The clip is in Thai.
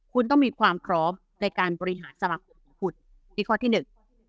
คุณต้องมีความพร้อมในการบริหารสลักขุดนี่ข้อที่หนึ่ง